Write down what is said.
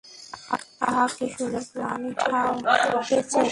আহা, কী সুন্দর প্ল্যানই ঠাউরেছ।